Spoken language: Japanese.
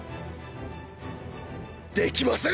できません。